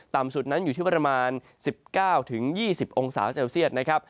ต่ำสุดนั้นอยู่ที่ประมาณ๑๙๒๐องศาเซลเซียตนะครับ